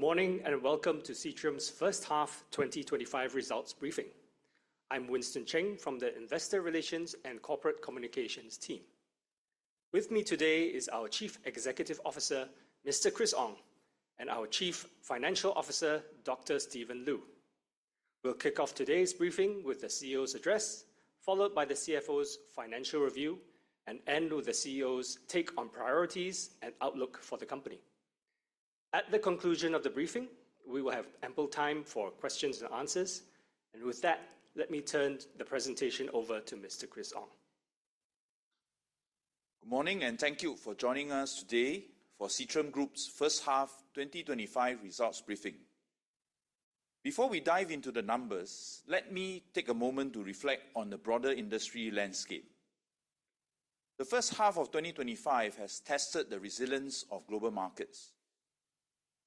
Good morning and welcome to Seatrium's first half 2025 results briefing. I'm Winston Cheng from the Investor Relations and Corporate Communications Team. With me today is our Chief Executive Officer, Mr. Chris Ong, and our Chief Financial Officer, Dr. Stephen Lu. We'll kick off today's briefing with the CEO's address, followed by the CFO's financial review, and end with the CEO's take on priorities and outlook for the company. At the conclusion of the briefing, we will have ample time for questions and answers, and with that, let me turn the presentation over to Mr. Chris Ong. Good morning and thank you for joining us today for Seatrium's first half 2025 results briefing. Before we dive into the numbers, let me take a moment to reflect on the broader industry landscape. The first half of 2025 has tested the resilience of global markets.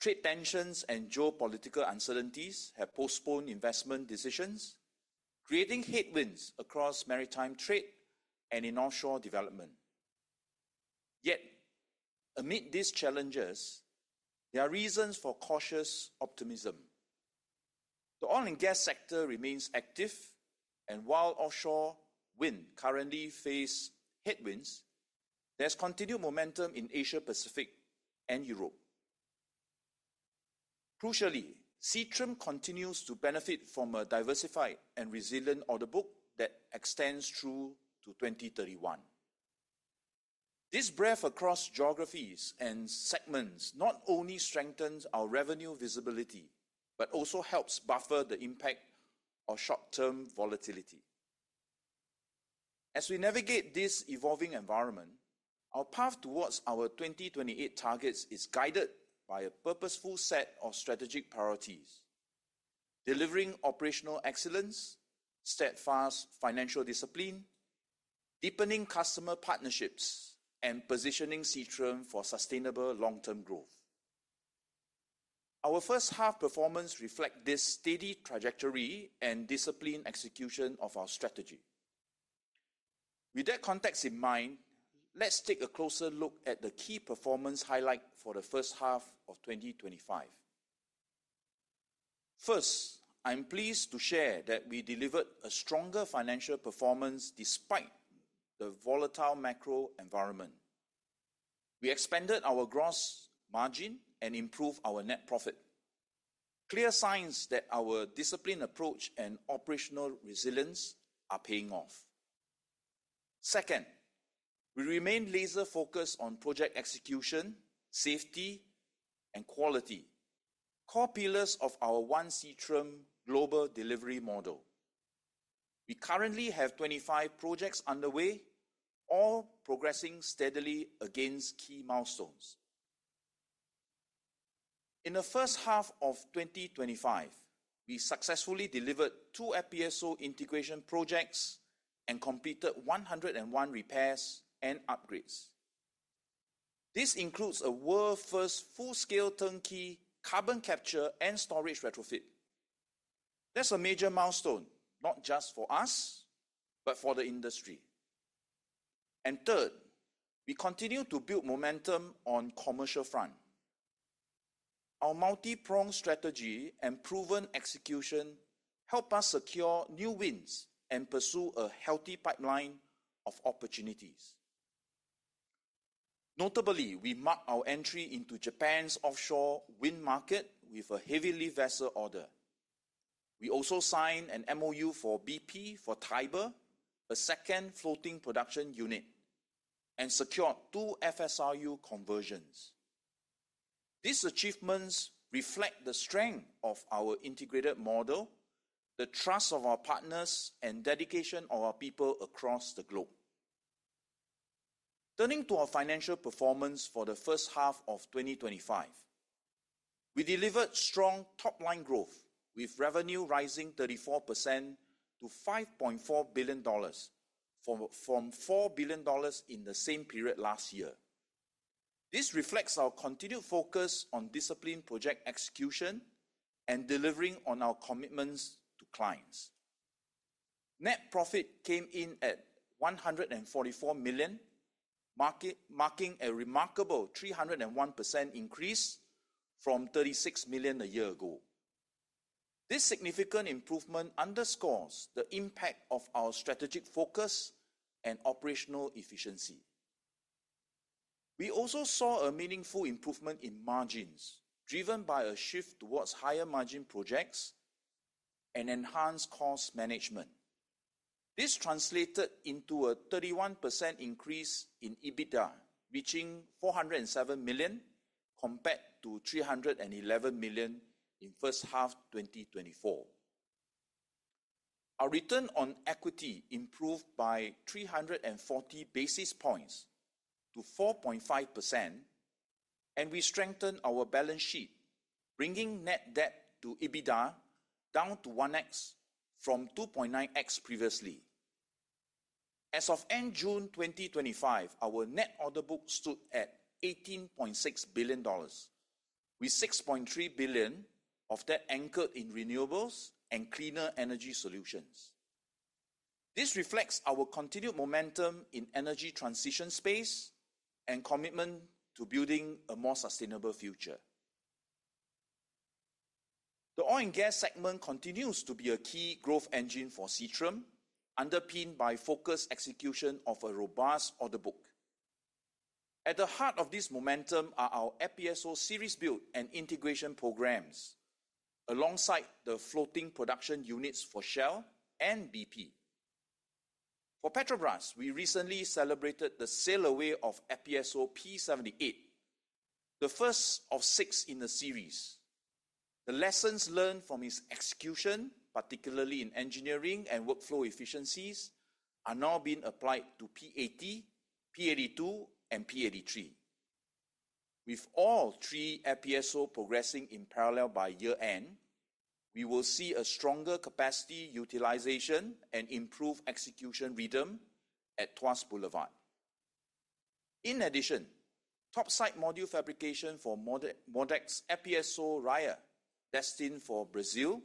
Trade tensions and geopolitical uncertainties have postponed investment decisions, creating headwinds across maritime trade and in offshore development. Yet amid these challenges, there are reasons for cautious optimism. The oil and gas sector remains active and while offshore wind currently faces headwinds, there's continued momentum in Asia Pacific and Europe. Crucially, Seatrium continues to benefit from a diversified and resilient order book that extends through to 2031. This breadth across geographies and segments not only strengthens our revenue visibility but also helps buffer the impact of short term volatility. As we navigate this evolving environment, our path towards our 2028 targets is guided by a purposeful set of strategies delivering operational excellence, steadfast financial discipline, deepening customer partnerships, and positioning Seatrium for sustainable long term growth. Our first half performance reflects this steady trajectory and disciplined execution of our strategy. With that context in mind, let's take a closer look at the key performance highlights for the first half of 2025. First, I am pleased to share that we delivered a stronger financial performance despite the volatile macro environment. We expanded our gross margin and improved our net profit, clear signs that our disciplined approach and operational resilience are paying off. Second, we remain laser focused on project execution, safety, and quality, core pillars of our One Seatrium global delivery model. We currently have 25 projects underway, all progressing steadily against key milestones. In the first half of 2025, we successfully delivered two FPSO integration projects and completed 101 repairs and upgrades. This includes a world first full scale turnkey carbon capture and storage retrofit. That's a major milestone not just for us, but for the industry. Third, we continue to build momentum on the commercial front. Our multi-pronged strategy and proven execution help us secure new wins and pursue a healthy pipeline of opportunities. Notably, we mark our entry into Japan's offshore wind market with a heavy lift vessel order. We also signed an MOU with BP for Tiber, a second floating production unit, and secured two FSRU conversions. These achievements reflect the strength of our integrated model, the trust of our partners, and the dedication of our people across the globe. Turning to our financial performance for the first half of 2025, we delivered strong top line growth with revenue rising 34% to $5.4 billion from $4 billion in the same period last year. This reflects our continued focus on disciplined project execution and delivering on our commitments to clients. Net profit came in at $144 million, marking a remarkable 301% increase from $36 million a year ago. This significant improvement underscores the impact of our strategic focus and operational efficiency. We also saw a meaningful improvement in margins driven by a shift towards higher margin projects and enhanced cost management. This translated into a 31% increase in EBITDA, reaching $407 million compared to $311 million in the first half of 2024. Our return on equity improved by 340 basis points to 4.5%, and we strengthened our balance sheet, bringing net debt to EBITDA down to 1x from 2.9x previously. As of end June 2025, our net order book stood at $18.6 billion, with $6.3 billion of that anchored in renewables and cleaner energy solutions. This reflects our continued momentum in the energy transition space and commitment to building a more sustainable future. The oil and gas segment continues to be a key growth engine for Seatrium, underpinned by focused execution of a robust order book. At the heart of this momentum are our FPSO series-built and integration programs alongside the floating production units for Shell and BP. For Petrobras, we recently celebrated the sale -away of FPSO P-78,, the first of six in the series. The lessons learned from its execution, particularly in engineering and workflow efficiencies, are now being applied to P-80, P-82, and P-83, with all three FPSOs progressing in parallel. By year end, we will see a stronger capacity utilization and improved execution rhythm at Tuas Boulevard. In addition, topside module fabrication for MODEC'S FPSO Raya, destined for Brazil,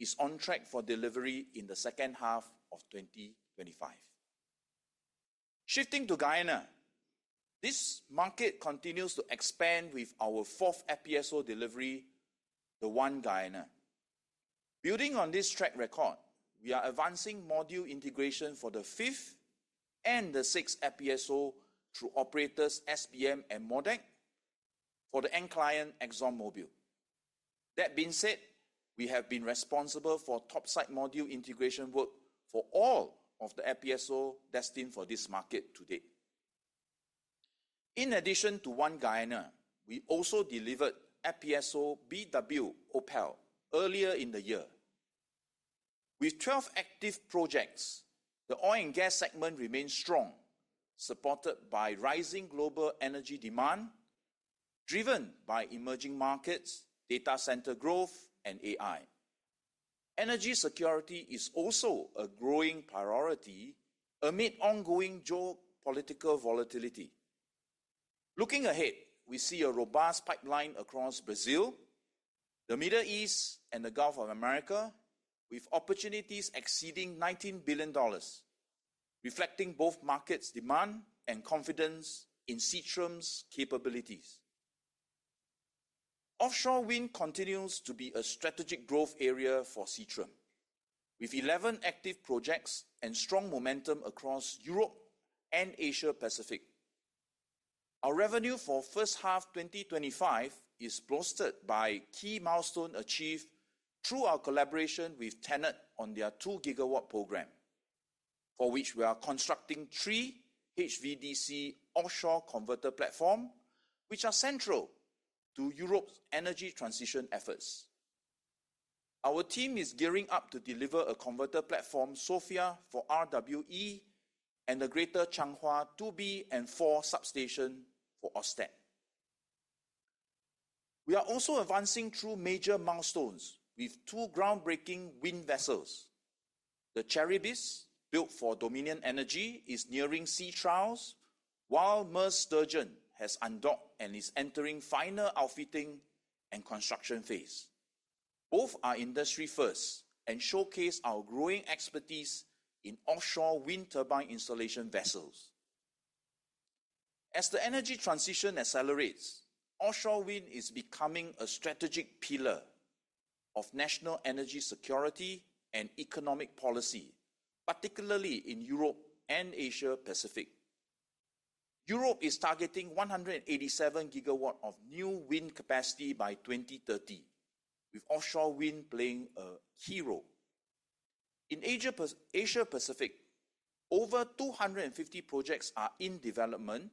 is on track for delivery in the second half of 2025. Shifting to Guyana, this market continues to expand with our fourth FPSO delivery, the ONE Guyana. Building on this track record, we are advancing module integration for the fifth and the sixth FPSO through operators SBM Offshore and MODEC for the end client ExxonMobil. That being said, we have been responsible for topside module integration work for all of the FPSOs destined for this market to date. In addition to one Guyana, we also delivered FPSO BW OPEC earlier in the year with 12 active projects. The oil and gas segment remains strong, supported by rising global energy demand driven by emerging markets, data center growth, and AI. Energy security is also a growing priority amid ongoing geopolitical volatility. Looking ahead, we see a robust pipeline across Brazil, the Middle East, and the Gulf of Mexico with opportunities exceeding $19 billion, reflecting both market demand and confidence in Seatrium's capabilities. Offshore wind continues to be a strategic growth area for Seatrium with 11 active projects and strong momentum across Europe and Asia Pacific. Our revenue for first half 2025 is bolstered by key milestones achieved through our collaboration with Tenet on their 2 GW program, for which we are constructing three HVDC offshore converter platforms which are central to Europe's energy transition efforts. Our team is gearing up to deliver a converter platform Sofia for RWE and the Greater Changhua 2b and 4 substation for Ørsted. We are also advancing through major milestones with two groundbreaking wind vessels. The Charybdis built for Dominion Energy is nearing sea trials, while Mærsk Sturgeon has undocked and is entering final outfitting and construction phase. Both are industry firsts and showcase our growing expertise in offshore wind turbine installation vessels as the energy transition accelerates. Offshore wind is becoming a strategic pillar of national energy security and economic policy, particularly in Europe and Asia Pacific. Europe is targeting 187 GW of new wind capacity by 2030, with offshore wind playing a key role in Asia Pacific. Over 250 projects are in development,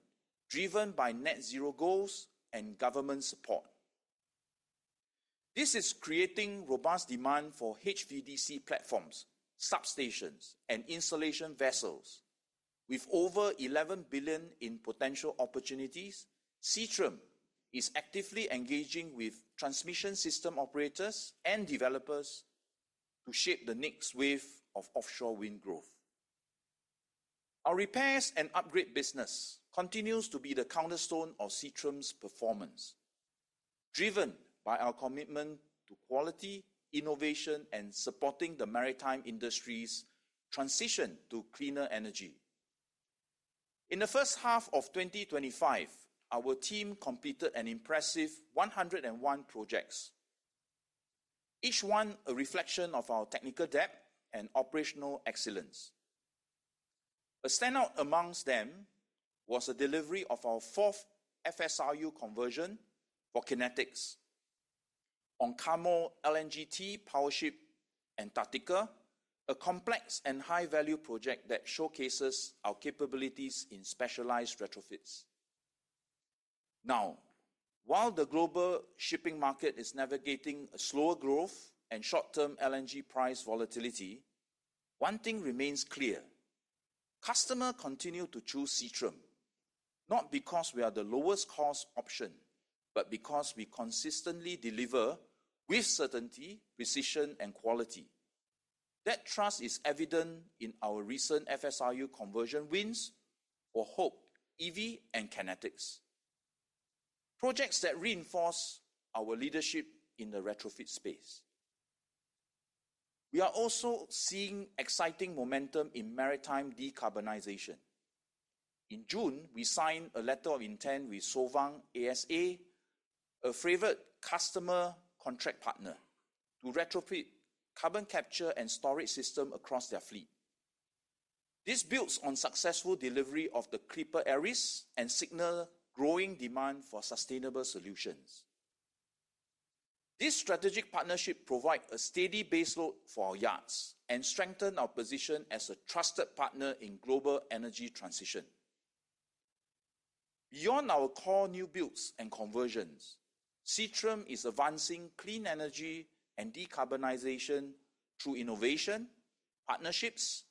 driven by net zero goals and government support. This is creating robust demand for HVDC platforms, substations, and installation vessels. With over $11 billion in potential opportunities, Seatrium is actively engaging with transmission system operators and developers to shape the next wave of offshore wind growth. Our repairs and upgrade business continues to be the cornerstone of Seatrium's performance, driven by our commitment to quality, innovation, and supporting the maritime industry's transition to cleaner energy. In the first half of 2025 our team completed an impressive 101 projects, each one a reflection of our technical depth and operational excellence. A standout amongst them was the delivery of our fourth FSRU conversion for Kinetics on Karmol LNGT Powership Antarctica, a complex and high value project that showcases our capabilities in specialized retrofits. Now, while the global shipping market is navigating slower growth and short term LNG price volatility, one thing remains clear. Customers continue to choose Seatrium not because we are the lowest cost option, but because we consistently deliver with certainty, precision, and quality. That trust is evident in our recent FSRU conversion wins for Hoegh Evi, and Kinetics projects that reinforce our leadership in the retrofit space. We are also seeing exciting momentum in maritime decarbonization. In June we signed a letter of intent with Solvang ASA, a favored customer contract partner, to retrofit carbon capture and storage system across their fleet. This builds on successful delivery of the Clipper Aris and signals growing demand for sustainable solutions. This strategic partnership provides a steady baseload for our yards and strengthens our position as a trusted partner in global energy transition. Beyond our core new builds and conversions, Seatrium is advancing clean energy and decarbonization through innovation partnerships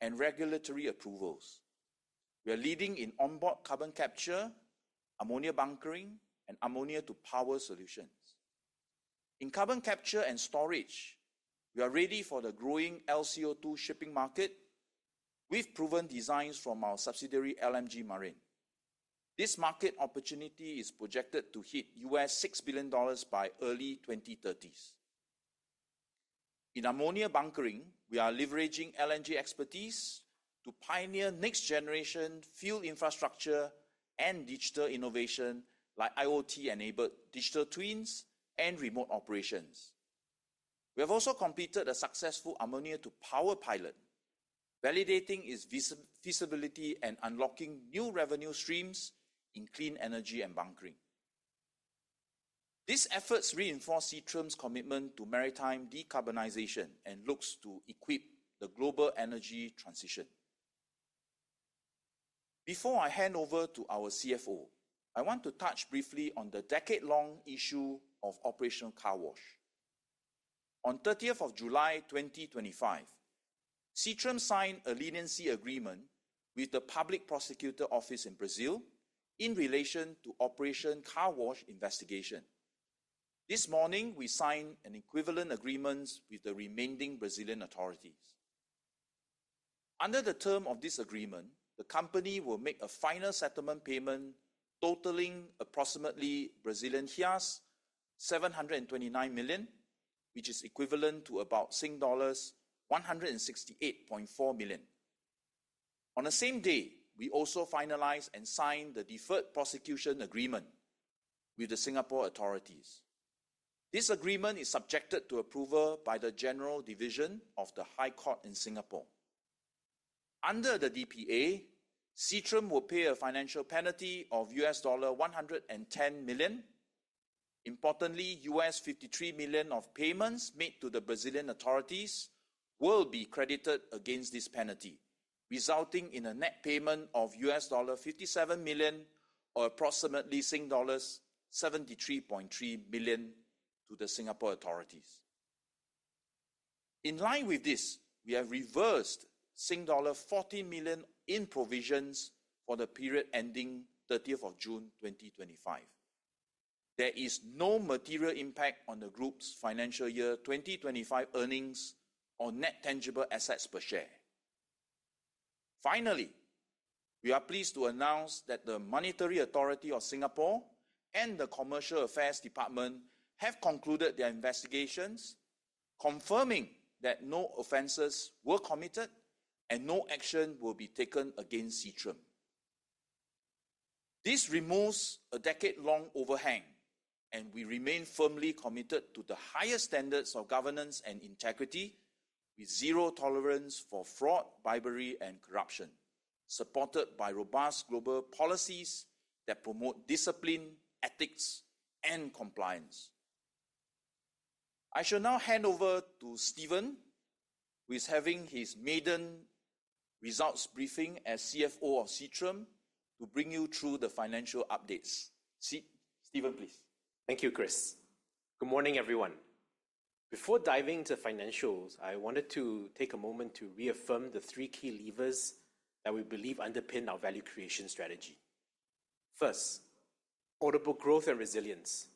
and regulatory approvals. We are leading in onboard carbon capture, ammonia bunkering, and ammonia to power solutions in carbon capture and storage. We are ready for the growing LCO2 shipping market with proven designs from our subsidiary LMG Marin. This market opportunity is projected to hit $6 billion by early 2030s in ammonia bunkering. We are leveraging LNG expertise to pioneer next generation fuel infrastructure and digital innovation like IoT enabled digital twins and remote operations. We have also completed a successful ammonia to power pilot validating its feasibility and unlocking new revenue streams in clean energy and bunkering. These efforts reinforce Seatrium's commitment to maritime decarbonization and look to equip the global energy transition. Before I hand over to our CFO I want to touch briefly on the decade long issue of Operation Car Wash. On July 30, 2025, Seatrium signed a leniency agreement with the Public Prosecutor Office in Brazil in relation to Operation Car Wash investigation. This morning we signed an equivalent agreement with the remaining Brazilian authorities. Under the terms of this agreement, the company will make a final settlement payment totaling approximately 729 million, which is equivalent to about Sing dollars 168.4 million. On the same day, we also finalized and signed the deferred prosecution agreement with the Singapore authorities. This agreement is subject to approval by the General Division of the High Court in Singapore. Under the DPA, Seatrium will pay a financial penalty of $110 million. Importantly, $53 million of payments made to the Brazilian authorities will be credited against this penalty, resulting in a net payment of $57 million, or approximately Sing dollars 73.3 million to the Singapore authorities. In line with this, we have reversed Sing dollar 14 million in provisions for the period ending 30 June 2025. There is no material impact on the group's financial year 2025 earnings or net tangible assets per share. Finally, we are pleased to announce that the Monetary Authority of Singapore and the Commercial Affairs Department have concluded their investigations, confirming that no offenses were committed and no action will be taken against Seatrium. This removes a decade-long overhang and we remain firmly committed to the highest standards of governance and integrity with zero tolerance for fraud, bribery, and corruption, supported by robust global policies that promote discipline, ethics, and compliance. I shall now hand over to Stephen, who is having his maiden results briefing as CFO of Seatrium, to bring you through the financial updates. Stephen, please. Thank you, Chris. Good morning everyone. Before diving into the financials, I wanted to take a moment to reaffirm the three key levers that we believe underpin our value creation strategy. First, order book and resilience.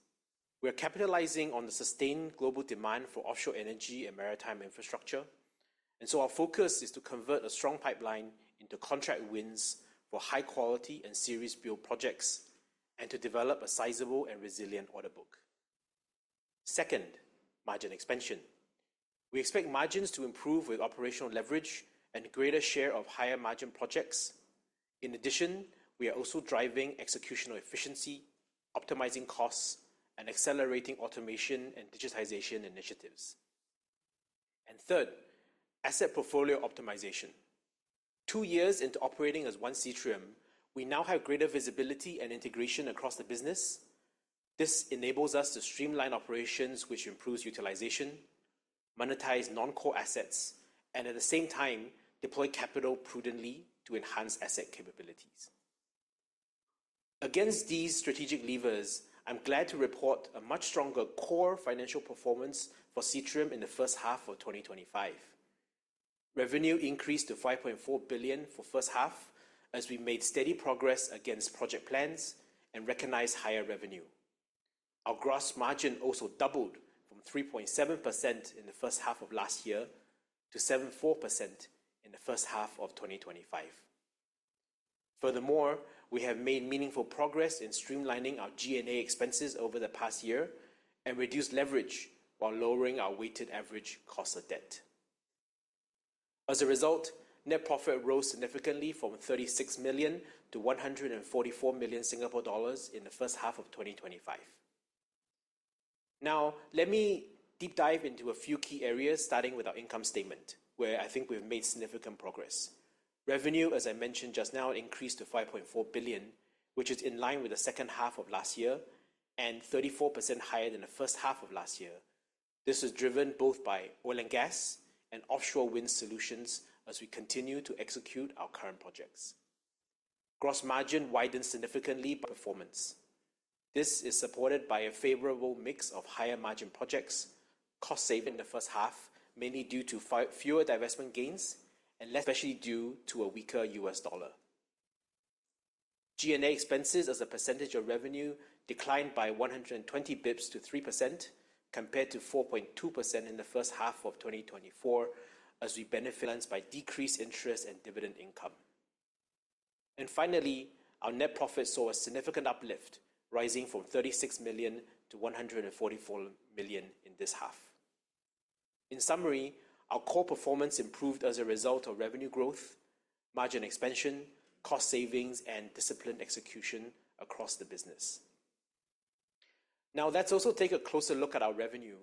We are capitalizing on the sustained global demand for offshore energy and maritime infrastructure, and our focus is to convert a strong pipeline into contract wins for high quality and series-built projects and to develop a sizable and resilient order book. Second, margin expansion. We expect margins to improve with operational leverage and greater share of higher margin projects. In addition, we are also driving executional efficiency, optimizing costs, and accelerating automation and digitalization initiatives. Third, asset portfolio optimization. Two years into operating as One Seatrium, we now have greater visibility and integration across the business. This enables us to streamline operations, which improves utilization, monetize non-core assets, and at the same time deploy capital prudently to enhance asset capabilities against these strategic levers. I'm glad to report a much stronger core financial performance for Seatrium in the first half of 2025. Revenue increased to $5.4 billion for the first half as we made steady progress against project plans and recognized higher revenue. Our gross margin also doubled from 3.7% in the first half of last year to 7.4% in the first half of 2025. Furthermore, we have made meaningful progress in streamlining our G&A expenses over the past year and reduced leverage while lowering our weighted average cost of debt. As a result, net profit rose significantly from 36 million to 144 million Singapore dollars in the first half of 2025. Now let me deep dive into a few key areas, starting with our in come statement where I think we've made significant progress. Revenue, as I mentioned just now, increased to $5.4 billion, which is in line with the second half of last year and 34% higher than the first half of last year. This was driven both by oil and gas and offshore wind solutions. As we continue to execute our current projects, gross margin widened significantly by performance. This is supported by a favorable mix of higher margin projects. Costs saved in the first half mainly due to fewer divestment gains and less, especially due to a weaker US dollar. G&A expenses as a percentage of revenue declined by 120 basis points to 3% compared to 4.2% in the first half of 2024 as we benefit, balanced by decreased interest and dividend income. Finally, our net profit saw a significant uplift, rising from $36 million to $144 million in this half. In summary, our core performance improved as a result of revenue growth, margin expansion, cost savings, and disciplined execution across the business. Now let's also take a closer look at our revenue.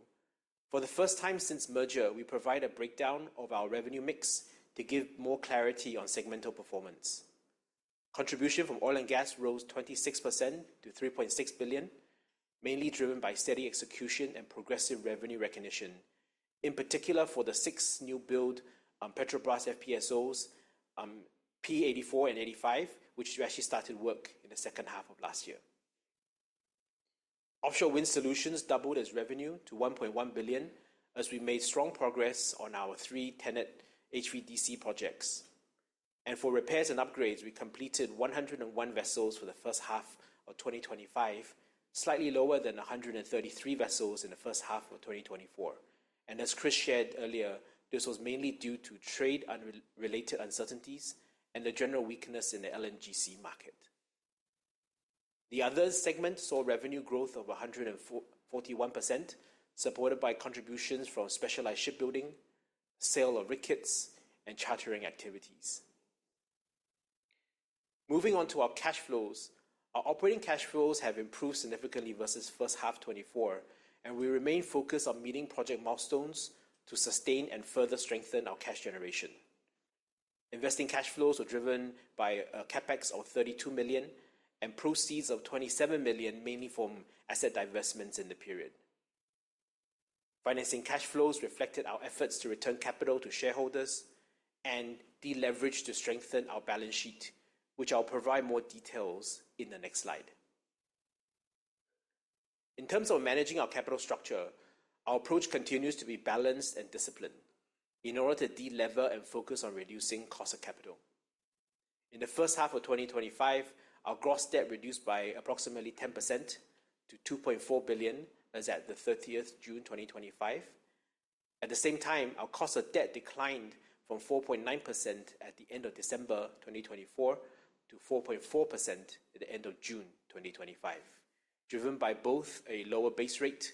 For the first time since the merger, we provide a breakdown of our revenue mix to give more clarity on segmental performance. Contribution from oil and gas rose 26% to $3.6 billion, mainly driven by steady execution and progressive revenue recognition, in particular for the six new build Petrobras FPSOs P-84 and P-85, which actually started work in the second half of last year. Offshore wind solutions doubled its revenue to $1.1 billion as we made strong progress on our 3 Tanin HVDC projects. For repairs and upgrades, we completed 101 vessels for the first half of 2025, slightly lower than 133 vessels in the first half of 2024. As Chris shared earlier, this was mainly due to trade-unrelated uncertainties and the general weakness in the LNGC market. The others segment saw revenue growth of 141%, supported by contributions from specialized shipbuilding, sale of rickets, and chartering activities. Moving on to our cash flows, our operating cash flows have improved significantly versus first half 2024, and we remain focused on meeting project milestones to sustain and further strengthen our cash generation. Investing cash flows are driven by a CapEx of $32 million and proceeds of $27 million, mainly from asset divestments in the period. Financing cash flows reflected our efforts to return capital to shareholders and deleverage to strengthen our balance sheet, which I'll provide more details on in the next slide. In terms of managing our capital structure, our approach continues to be balanced and disciplined in order to delever and focus on reducing cost of capital. In the first half of 2025, our gross debt reduced by approximately 10% to $2.4 billion as at 30th, June 2025. At the same time, our cost of debt declined from 4.9% at the end of December 2024 to 4.4% at the end of June 2025, driven by both a lower base rate,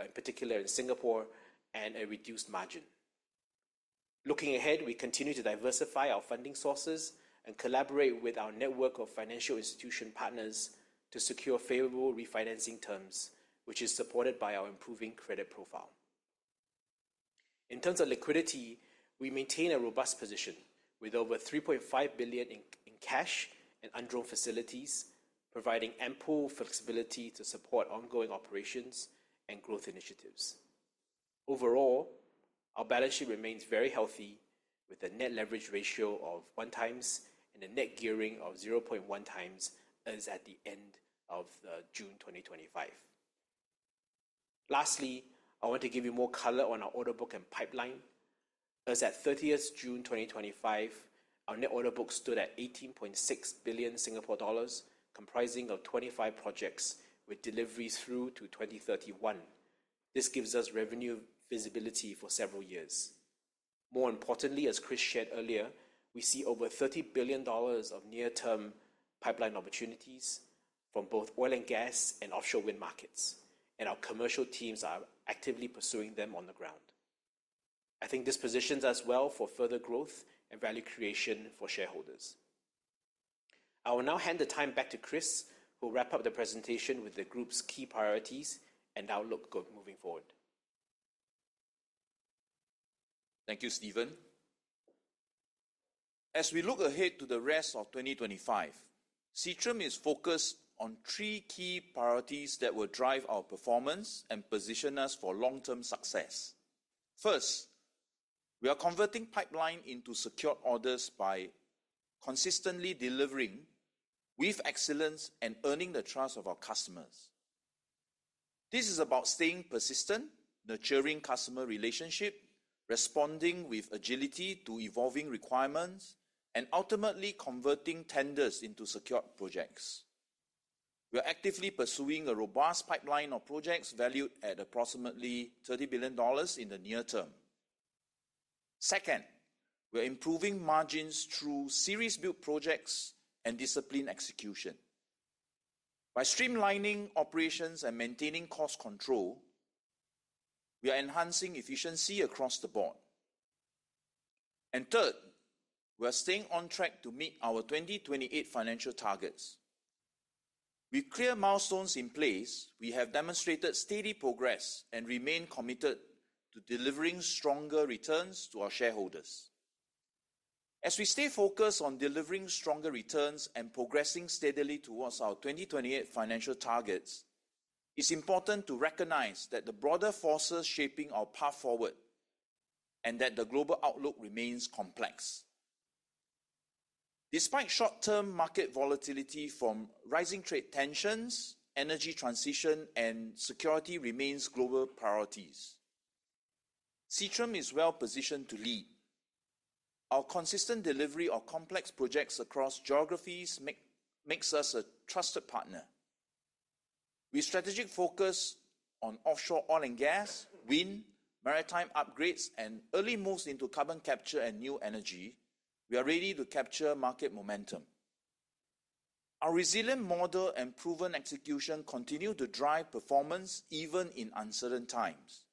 in particular in Singapore, and a reduced margin. Looking ahead, we continue to diversify our funding sources and collaborate with our network of financial institution partners to secure favorable refinancing terms, which is supported by our improving credit profile. In terms of liquidity, we maintain a robust position with over $3.5 billion in cash and undrawn facilities, providing ample flexibility to support ongoing operations and growth initiatives. Overall, our balance sheet remains very healthy with a net leverage ratio of 1x, and the net gearing of 0.1x is at the end of June 2025. Lastly, I want to give you more color on our order book and pipeline. As at 30th June 2025, our net order book stood at 18.6 billion Singapore dollars comprising 25 projects with delivery through to 2031. This gives us revenue visibility for several years. More importantly, as Chris shared earlier, we see over $30 billion of near-term pipeline opportunities from both oil and gas and offshore wind markets, and our commercial teams are actively pursuing them on the ground. I think this positions us well for further growth and value creation for shareholders. I will now hand the time back to Chris, who will wrap up the presentation with the group's key priorities and outlook moving forward. Thank you, Stephen. As we look ahead to the rest of 2025, Seatrium is focused on three key priorities that will drive our performance and position us for long-term success. First, we are converting pipeline into secured orders by consistently delivering with excellence and earning the trust of our customers. This is about staying persistent, nurturing customer relationships, responding with agility to evolving requirements, and ultimately converting tenders into secured projects. We are actively pursuing a robust pipeline of projects valued at approximately $30 billion in the near term. Second, we are improving margins through series-built projects and disciplined execution. By streamlining operations and maintaining cost control, we are enhancing efficiency across the board. Third, we are staying on track to meet our 2028 financial targets. With clear milestones in place, we have demonstrated steady progress and remain committed to delivering stronger returns to our shareholders. As we stay focused on delivering stronger returns and progressing steadily towards our 2028 financial targets, it's important to recognize the broader forces shaping our path forward and that the global outlook remains complex. Despite short-term market volatility from rising trade tensions, energy transition and security remain global priorities. Seatrium is well positioned to lead. Our consistent delivery of complex projects across geographies makes us a trusted partner. With strategic focus on offshore oil and gas, wind, maritime upgrades, and early moves into carbon capture and new energy, we are ready to capture market momentum. Our resilient model and proven execution continue to drive performance even in uncertain times.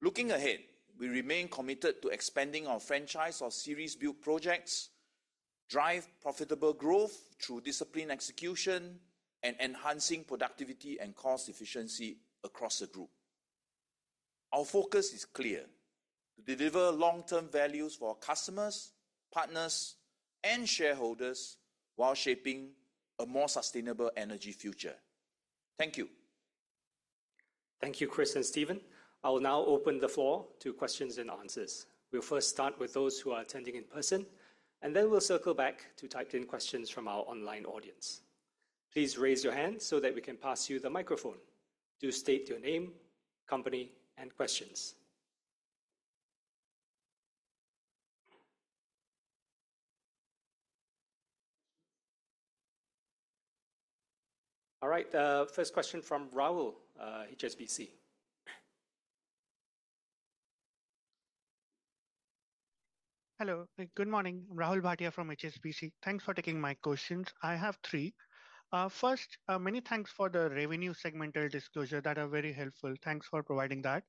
Looking ahead, we remain committed to expanding our franchise of series-built projects, driving profitable growth through disciplined execution, and enhancing productivity and cost efficiency across the group. Our focus is clear: to deliver long-term value for our customers, partners, and shareholders while shaping a more sustainable energy future. Thank you. Thank you, Chris and Stephen. I will now open the floor to questions and answers. We'll first start with those who are attending in person, and then we'll circle back to type-in questions from our online audience. Please raise your hand so that we can pass you the microphone. Do state your name, company, and questions. All right, first question from Rahul, HSBC. Hello, good morning. Rahul Bhatia from HSBC. Thanks for taking my questions. I have three. First, many thanks for the revenue segmental disclosure, that is very helpful. Thanks for providing that.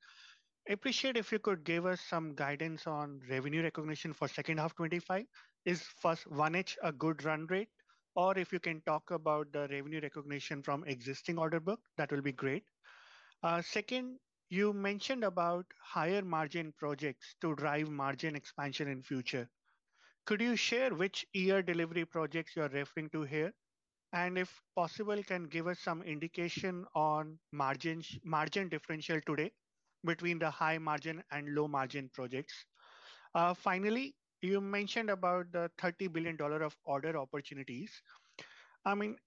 Appreciate if you could give us some guidance on revenue recognition for second half 2025. Is first 1H a good run rate, or if you can talk about the revenue recognition from existing order book, that will be great. Second, you mentioned about higher margin projects to drive margin expansion in future. Could you share which year delivery projects you are referring to here, and if possible, can give us some indication on margin differential today between the high margin and low margin projects. Finally, you mentioned about the $30 billion of order opportunities.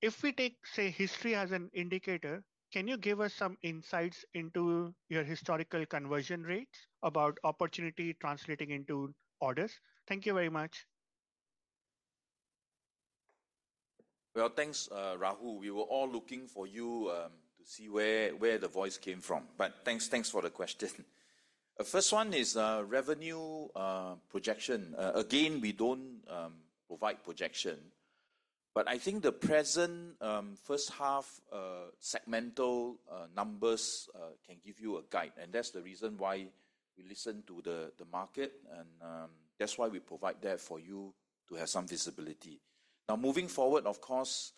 If we take, say, history as an indicator, can you give us some insights into your historical conversion rates about opportunity translating into orders? Thank you very much. Thanks Rahul. We were all looking for you to see where the voice came from, but thanks for the question. First one is revenue projection. Again, we don't provide projection, but I think the present first half segmental numbers can give you a guide, and that's the reason why we listen to the market and that's why we provide that for you to have some visibility now moving forward. Of course,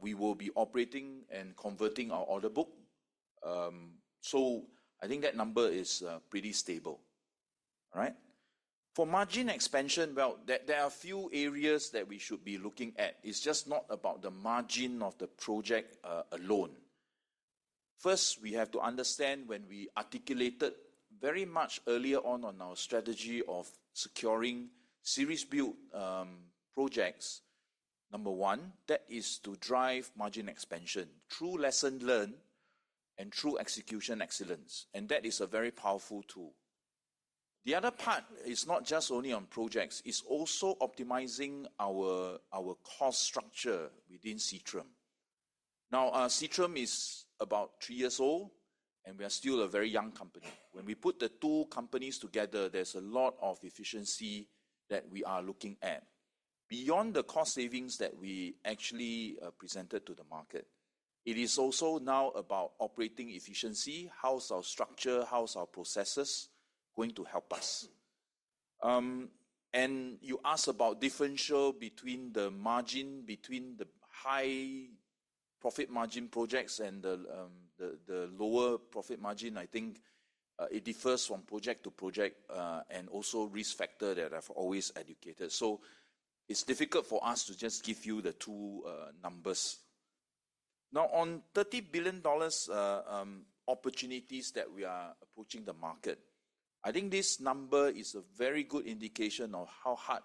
we will be operating and converting our order book, so I think that number is pretty stable for margin expansion. There are few areas that we should be looking at; it's just not about the margin of the project alone. First, we have to understand when we articulated very much earlier on in our strategy of securing series-built projects, number one, that is to drive margin expansion through lessons learned, true execution, excellence. That is a very powerful tool. The other part is not just only on projects, it's also optimizing our cost structure within Seatrium. Now Seatrium is about three-years-old, and we are still a very young company. When we put the two companies together, there's a lot of efficiency that we are looking at beyond the cost savings that we actually presented to the market. It is also now about operating efficiency. How's our structure, how's our processes going to help us? You asked about differential between the margin between the high profit margin projects and the lower profit margin. I think it differs from project to project and also risk factor that I've always educated. It's difficult for us to just give you the two numbers now on $30 billion opportunities that we are approaching the market. I think this number is a very good indication of how hard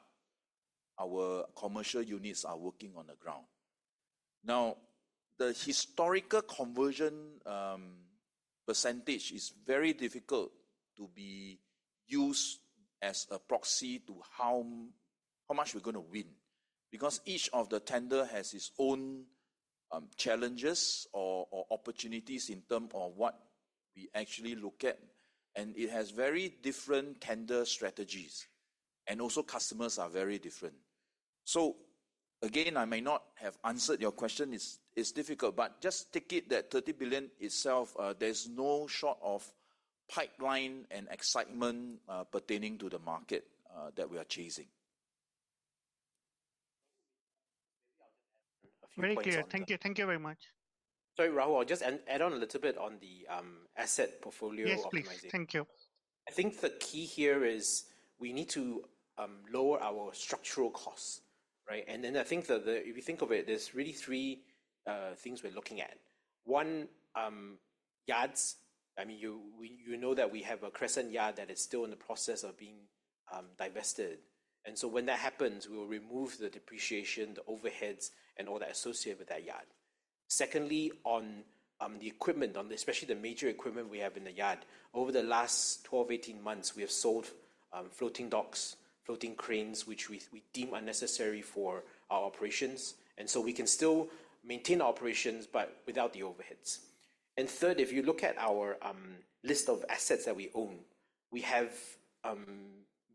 our commercial units are working on the ground. The historical conversion percentage is very difficult to be used as a proxy to how much we're going to win because each of the tenders has its own challenges or opportunities in terms of what we actually look at. It has very different tender strategies, and also customers are very different. I may not have answered your question. It's difficult, but just take it that $30 billion itself, there's no short of pipeline and excitement pertaining to the market that we are chasing. Very clear. Thank you. Thank you very much. Sorry, Rahul, I'll just add on a little bit on the asset portfolio optimization, please. Thank you. I think the key here is we need to lower our structural costs, right? I think that if you think of it, there's really three things we're looking at. One, yards. You know that we have a crescent yard that is still in the process of being divested. When that happens, we will remove the depreciation, the overheads, and all that associated with that yard. Secondly, on the equipment, especially the major equipment we have in the yard, over the last 12-18 months we have sold floating docks and floating cranes which we deem unnecessary for our operations. We can still maintain operations but without the overheads. Third, if you look at our list of assets that we own, we have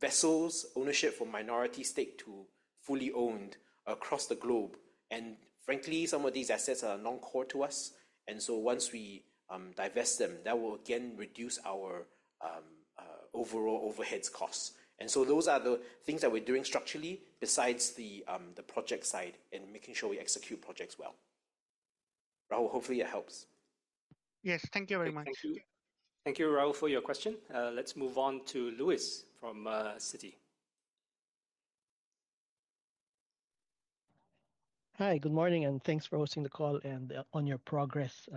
vessels ownership from minority stake to fully owned across the globe. Frankly, some of these assets are non-core to us. Once we divest them, that will again reduce our overall overheads costs. Those are the things that we're doing structurally besides the project side and making sure we execute projects well. Rahul, hopefully it helps. Yes, thank you very much. Thank you, Rahul, for your question. Let's move on to Luis from Citi. Hi, good morning and thanks for hosting the call. On your progress,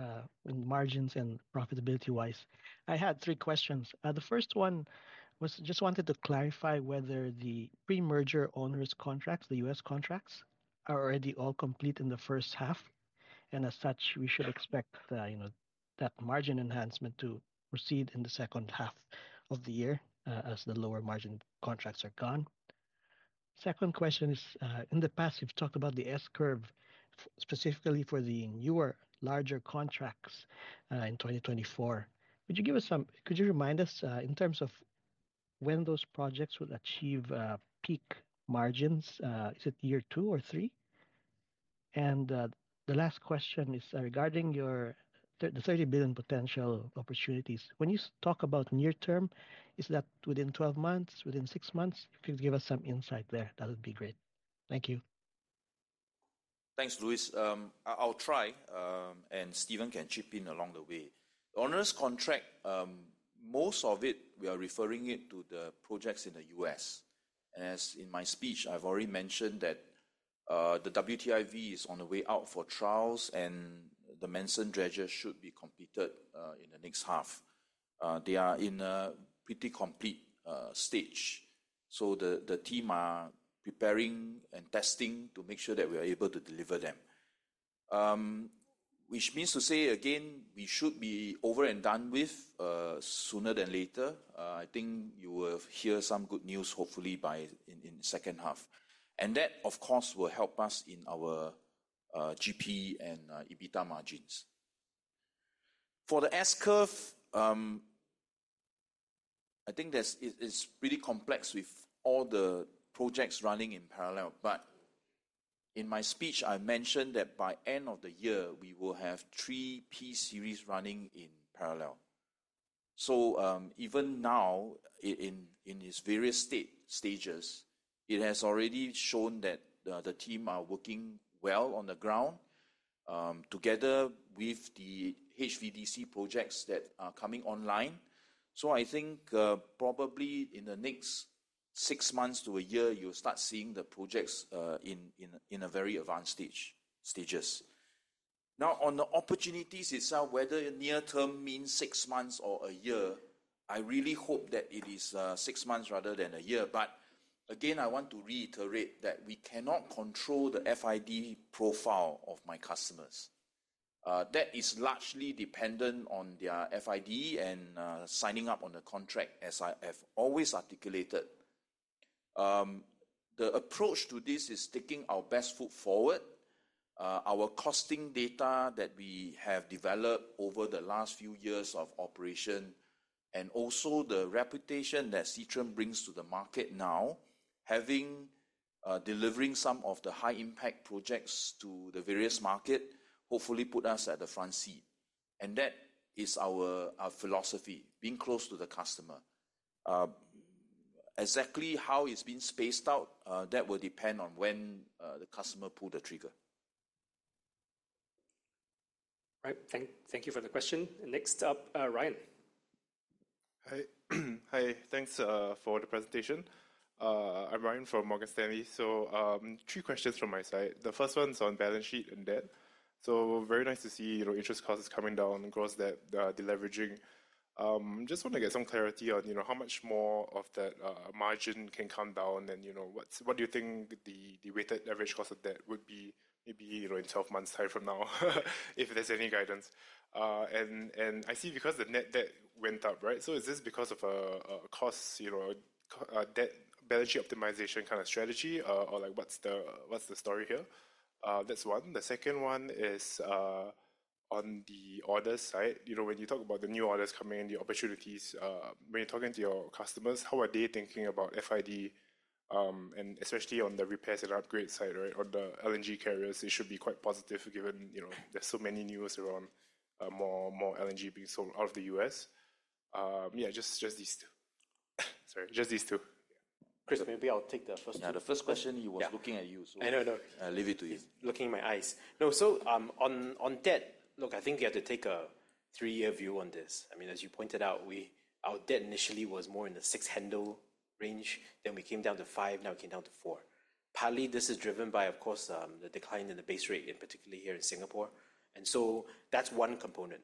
margins, and profitability-wise, I had three questions. The first one was, I just wanted to clarify whether the pre-merger owners' contracts, the U.S. contracts, are already all complete in the first half, and as such, we should expect that margin enhancement to proceed in the second half of the year as the lower margin contracts are gone. The second question is, in the past you've talked about the S-curve specifically for the newer, larger contracts in 2024. Could you remind us in terms of when those projects will achieve peak margins? Is it year two or three? The last question is regarding the $30 billion potential opportunities. When you talk about near term, is that within 12 months, within six months? Could you give us some insight there? That would be great. Thank you. Thanks, Luis. I'll try, and Stephen can chip in along the way. The owner's contract, most of it. We are referring to the projects in the U.S. as in my speech I've already mentioned that the WTIV is on the way out for trials, and the Manson dredger should be completed in the next half. They are in a pretty complete stage, so the team are preparing and testing to make sure that we are able to deliver them, which means to say again we should be over and done with sooner than later. I think you will hear some good news hopefully in the second half, and that of course will help us in our GP and EBITDA margins. For the S-curve, it's pretty complex with all the projects running in parallel, but in my speech I mentioned that by end of the year we will have three P series running in parallel. Even now in its various stages, it has already shown that the team are working well on the ground together with the HVDC projects that are coming online. I think probably in the next six months to a year you start seeing the projects in very advanced stages. Now, on the opportunities itself, whether near term means six months or a year, I really hope that it is six months rather than a year. I want to reiterate that we cannot control the FID profile of my customers. That is largely dependent on the FID and signing up on the contract. As I have always articulated, the approach to this is taking our best foot forward. Our costing data that we have developed over the last few years of operation and also the reputation that Seatrium brings to the market now, having delivered some of the high impact projects to the various market, hopefully put us at the front seat. That is our philosophy, being close to the customer. Exactly how it's been spaced out, that will depend on when the customer pulls the trigger. Right, thank you for the question. Next up, Ryan. Hi. Hi. Thanks for the presentation. I'm Ryan from Morgan Stanley. Three questions from my side. The first one is on balance sheet and debt. Very nice to see interest costs coming down, gross debt deleveraging. I just want to get some clarity on how much more of that margin can come down. What do you think the weighted average cost of debt would be maybe in 12 months' time from now, if there's any guidance? I see, because the net debt went up, right? Is this because of a cost balance sheet optimization kind of strategy or what's the story here? That's one. The second one is on the order side. When you talk about the new orders coming in, the opportunities, when you're talking to your customers, how are they thinking about FID, especially on the repairs and upgrade side on the LNG carriers, it should be quite positive given there's so many news around, more LNG being sold out of the U.S. Just these two. Sorry, just these two. Chris, maybe I'll take the first question. The first question, he was looking at you. So I leave it to you. I know. I'll leave it to you looking in my eyes. On debt, look, I think you have to take a three year view on this. I mean as you pointed out, our debt initially was more in the 6% range. Then we came down to 5%. Now we came down to 4%. Partly this is driven by, of course, the decline in the base rate in particular here in Singapore. That's one component.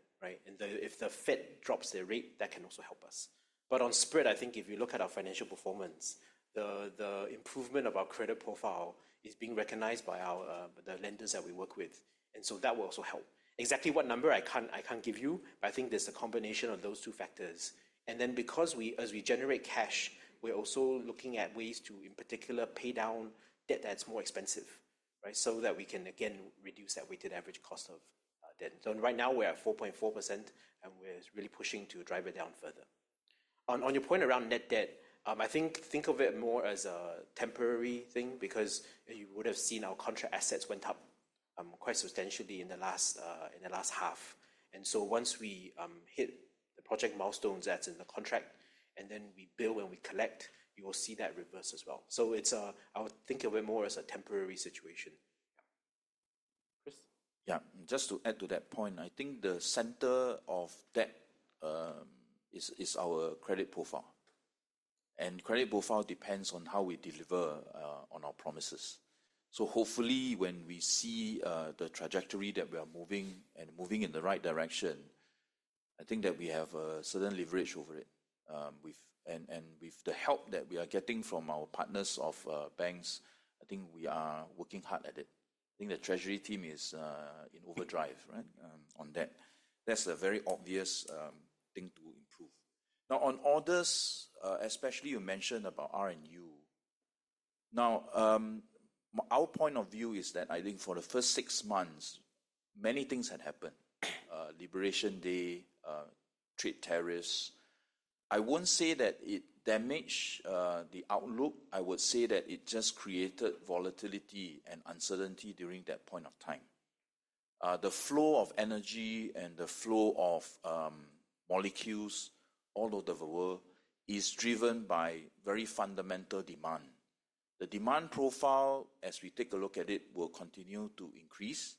If the Fed drops their rate, that can also help us. On spread, I think if you look at our financial performance, the improvement of our credit profile is being recognized by the lenders that we work with. That will also help. Exactly what number I can't give you, but I think there's a combination of those two factors. Then because as we generate cash, we're also looking at ways to, in particular, pay down debt that's more expensive so that we can again reduce that weighted average cost of debt. Right now we're at 4.4% and we're really pushing to drive it down further. On your point around net debt, think of it more as a temporary thing because you would have seen our contract assets went up quite substantially in the last half. Once we hit the project milestones that's in the contract and then we bill and we collect, you will see that reverse as well. I would think of it more as a temporary situation, Chris. Yeah, just to add to that point, I think the center of that is our credit profile, and credit profile depends on how we deliver on our promises. Hopefully, when we see the trajectory that we are moving and moving in the right direction, I think that we have certain leverage over it. With the help that we are getting from our partners of banks, I think we are working hard at it. I think the Treasury team is in overdrive on that. That's a very obvious thing to improve now on orders. Especially you mentioned about R&U. Now our point of view is that I think for the first six months many things had happened. Liberation Day, trade tariffs. I wouldn't say that it damaged the outlook. I would say that it just created volatility and uncertainty during that point of time. The flow of energy and the flow of molecules all over the world is driven by very fundamental demand. The demand profile as we take a look at it will continue to increase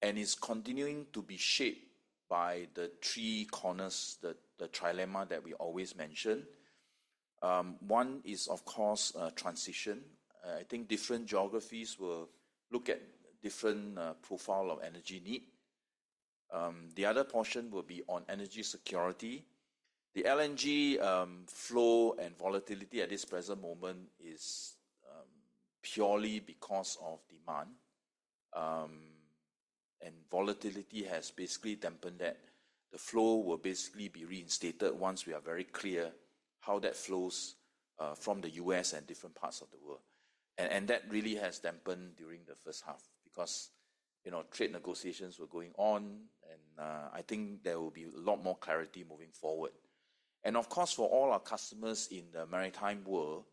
and is continuing to be shaped by the three corners. The trilemma that we always mention. One is, of course, transition. I think different geographies will look at different profile of energy need. The other portion will be on energy security. The LNG flow and volatility at this present moment is purely because of demand, and volatility has basically dampened that. The flow will basically be reinstated once we are very clear how that flows from the U.S. and different parts of the world. That really has dampened during the first half because trade negotiations were going on. I think there will be a lot more clarity moving forward. Of course, for all our customers in the maritime world,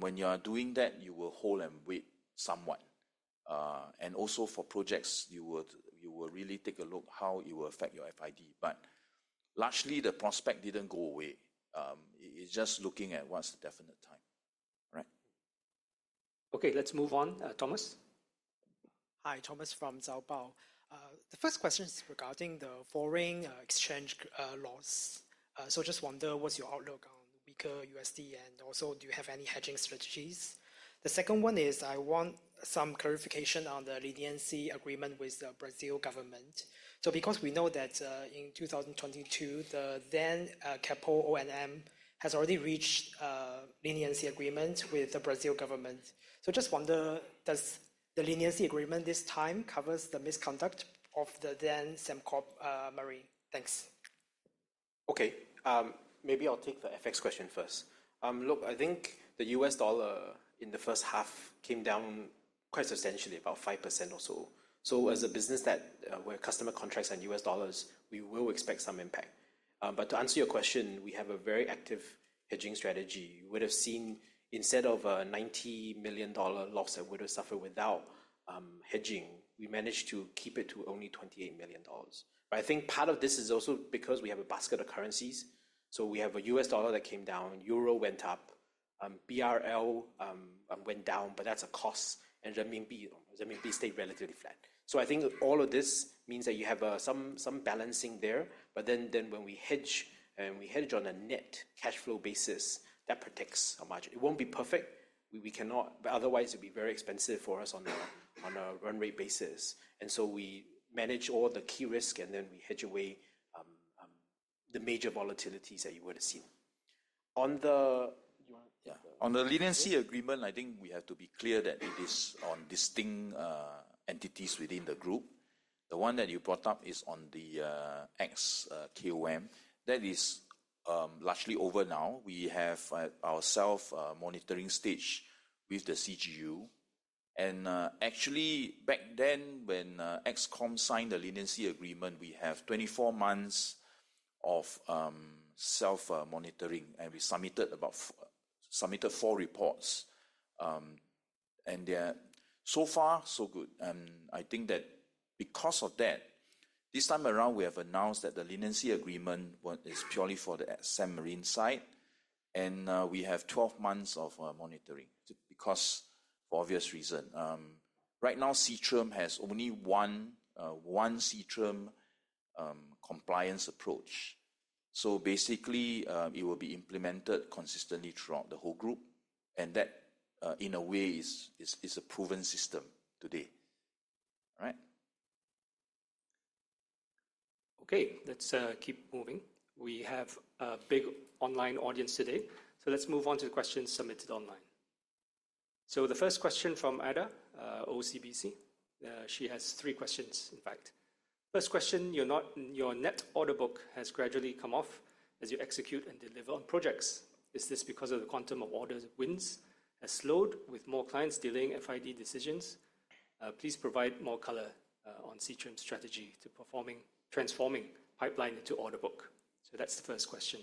when you are doing that, you will hold and wait somewhat, and also for projects you will really take a look how it will affect your FID. Largely, the prospect didn't go away. It's just looking at what's the definite time. Okay, let's move on. Thomas. Hi, Thomas from Zaobao. The first question is regarding the foreign exchange laws. I just wonder what's your outlook on weaker USD and also do you have any hedging strategies? The second one is I want some clarification on the leniency agreement with the Brazil government. We know that in 2022 the then Keppel O&M had already reached a leniency agreement with the Brazil government. I just wonder, does the leniency agreement this time cover the misconduct of the then Sembcorp Marine? Thanks. Okay, maybe I'll take the FX question first. Look, I think the U.S. dollar in the first half came down quite substantially, about 5% or so. As a business where customer contracts are in U.S. dollars, we will expect some impact. To answer your question, we have a very active hedging strategy. You would have seen instead of a $90 million loss that we would have suffered without hedging, we managed to keep it to only $28 million. I think part of this is also because we have a basket of currencies. We have a U.S. dollar that came down, Euro went up, BRL went down, but that's a cost, and GBP stayed relatively flat. I think all of this means that you have some balancing there. When we hedge, and we hedge on a net cash flow basis, that protects our margin. It won't be perfect. We cannot, otherwise it'd be very expensive for us on a run rate basis. We manage all the key risk and then we hedge away the major volatilities that you would have seen. On the leniency agreement, I think we have to be clear that it is on distinct entities within the group. The one that you brought up is on the Excom; that is largely over now. We have our self-monitoring stage with the CGU, and actually back then when Excom signed the leniency agreement, we had 24 months of self-monitoring and we submitted four reports. So far, so good. I think that because of that, this time around we have announced that the leniency agreement is purely for the marine site and we have 12 months of monitoring. For obvious reasons, right now Seatrium has only one compliance approach. Basically, it will be implemented consistently throughout the whole group, and that in a way is a proven system today. Okay, let's keep moving. We have a big online audience today, so let's move on to the questions submitted online. The first question is from Ada, OCBC. She has three questions in fact. First question, your net order book has gradually come off as you execute and deliver on projects. Is this because the quantum of order wins has slowed with more clients delaying FID decisions? Please provide more color on Seatrium's strategy to transforming pipeline into order book. That's the first question.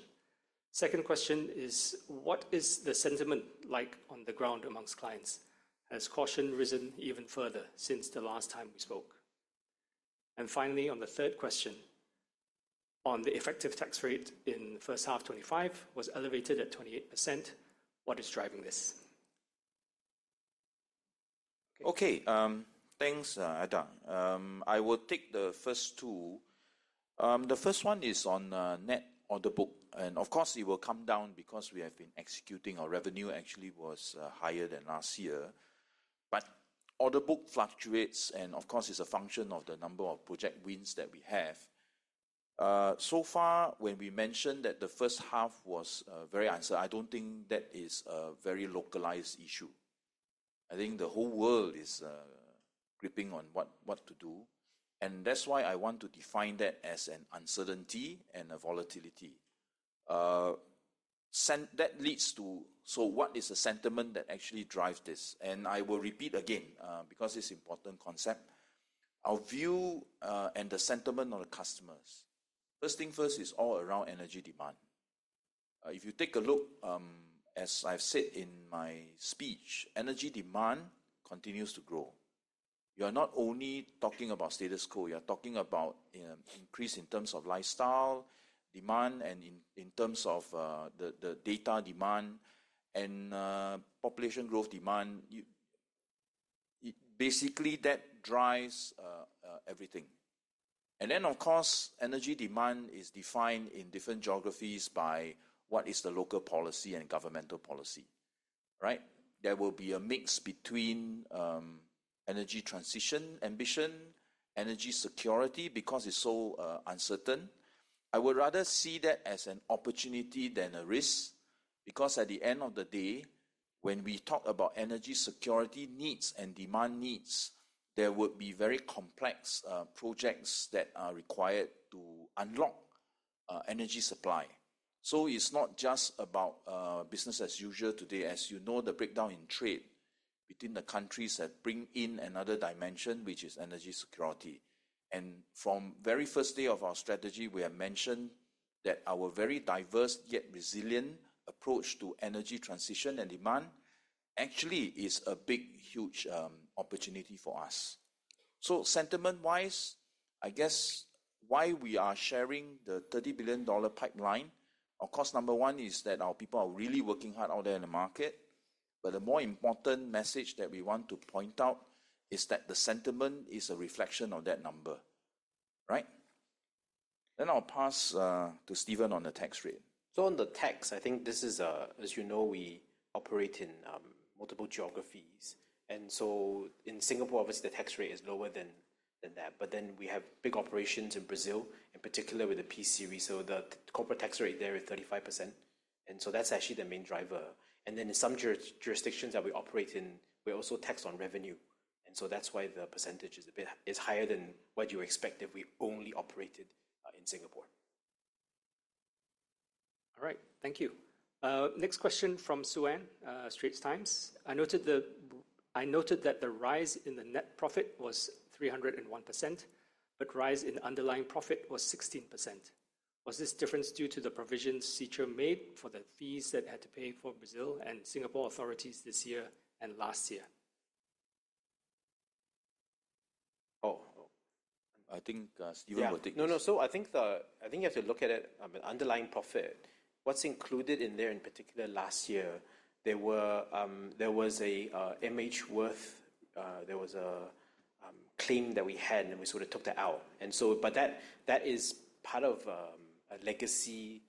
Second question is what is the sentiment like on the ground amongst clients? Has caution risen even further since the last time we spoke? Finally, on the third question, the effective tax rate in first half 2025 was elevated at 28%. What is driving this? Okay, thanks Ada. I will take the first two. The first one is on net order book and of course it will come down because we have been executing our revenue actually was higher than last year. Order book fluctuates and of course it's a function of the number of project wins that we have so far. When we mentioned that the first half was very uncertain, I don't think that is a very localized issue. I think the whole world is gripping on what to do. That's why I want to define that as an uncertainty and a volatility that leads to. What is the sentiment that actually drives this? I will repeat again because it's important concept, our view and the sentiment of the customers, first thing first is all around energy demand. If you take a look, as I've said in my speech, energy demand continues to grow. You are not only talking about status quo, you are talking about increase in terms of lifestyle demand and in terms of the data demand and population growth demand, basically that drives everything. Of course, energy demand is defined in different geographies by what is the local policy and governmental policy, right? There will be a mix between energy transition, ambition, energy security. Because it's so uncertain, I would rather see that as an opportunity than a risk because at the end of the day when we talk about energy security needs and demand needs, there would be very complex projects that are required to unlock energy supply. It's not just about business as usual today. As you know, the breakdown in trade between the countries brings in another dimension, which is energy security. From the very first day of our strategy we have mentioned that our very diverse yet resilient approach to energy transition and demand actually is a big huge opportunity for us. Sentiment wise, I guess why we are sharing the $30 billion pipeline, number one is that our people are really working hard out there in the market. The more important message that we want to point out is that the sentiment is a reflection of that number. Right, I'll pass to Stephen on the tax rate. On the tax, I think this is, as you know, we operate in multiple geographies, and in Singapore obviously the tax rate is lower than that. We have big operations in Brazil in particular with the P-series, so the corporate tax rate there is 35%, and that's actually the main driver. In some jurisdictions that we operate in, we're also taxed on revenue, and that's why the percentage is a bit higher than what you expect if we only operated in Singapore. All right, thank you. Next question from Sue Ann, Straits Times. I noted that the rise in the net profit was 301%, but rise in underlying profit was 16%. Was this difference due to the provisions Seatrium made for the fees that had to pay for Brazil and Singapore authorities this year and last year? Oh, I think Stephen Lu will take this. No, no. I think you have to look at it. Underlying profit, what's included in there in particular last year, there was an MH worth. There was a claim that we had, and we sort of took that out. That is part of a legacy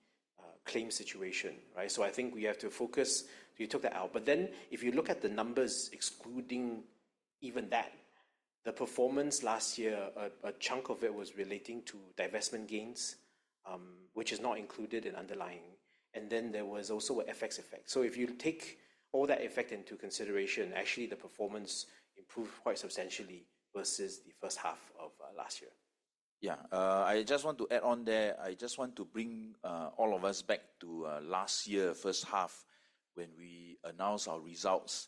claim situation. I think we have to focus. You took that out. If you look at the numbers excluding even that, the performance last year, a chunk of it was relating to divestment gains, which is not included in underlying. There was also FX effect. If you take all that effect into consideration, actually the performance improved quite substantially versus the first half of last year. I just want to add on there. I just want to bring all of us back to last year first half when we announced our results.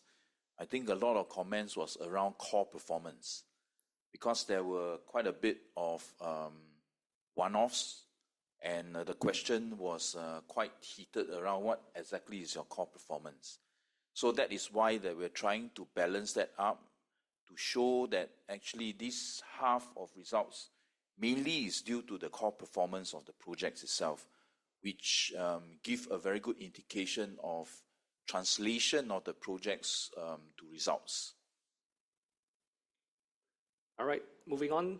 I think a lot of comments was around core performance because there were quite a bit of one-offs, and the question was quite heated around what exactly is your core performance. That is why we are trying to balance that up to show that actually this half of results mainly is due to the core performance of the project itself, which gives a very good indication of translation of the project's results. All right, moving on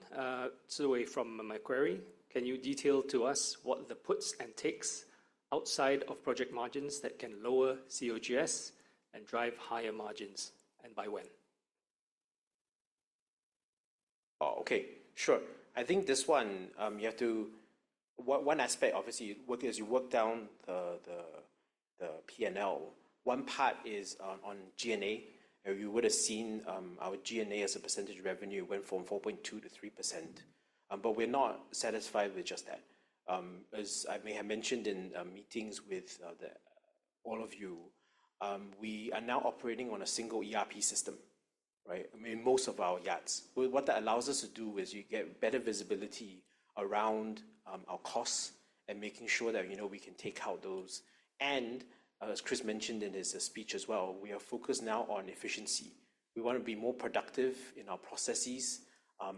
from my query, can you detail to us what the puts and takes outside of project margins that can lower COGS and drive higher margins, and by when? Okay, sure. I think this one, you have to. One aspect obviously as you work down the P&L, one part is on G&A. You would have seen our G&A as a percentage of revenue went from 4.2% to 3%. We're not satisfied with just that. As I may have mentioned in meetings with all of you, we are now operating on a single ERP system in most of our yards. What that allows us to do is you get better visibility around our costs and making sure that we can take out those. As Chris mentioned in his speech as well, we are focused now on efficiency, we want to be more productive in our processes.